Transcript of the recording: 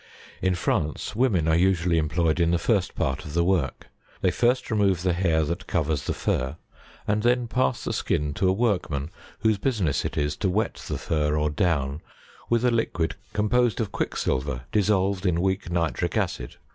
In France, women are usually employed in the first part of the work : they first remove the hair that covers the fur, and then pass the skin to a workman whose business it is to wet the fur or down with a liquid, composed of quicksilver dissolved in weak nitric acid.